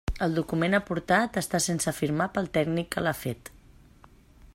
El document aportat està sense firmar pel tècnic que l'ha fet.